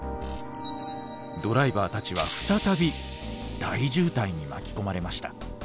ドライバーたちは再び大渋滞に巻き込まれました。